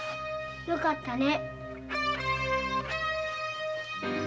よかったね。